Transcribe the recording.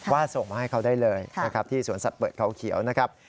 ว่าส่งมาให้เขาได้เลยที่สวนสัตว์เปิดเทาเขียวนะครับ